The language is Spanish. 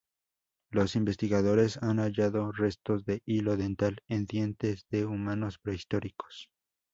Los investigadores han hallado restos de hilo dental en dientes de humanos prehistóricos.